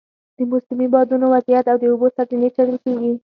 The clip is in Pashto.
د موسمي بادونو وضعیت او د اوبو سرچینې څېړل کېږي.